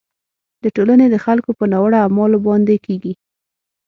د ټولنې د خلکو په ناوړه اعمالو باندې کیږي.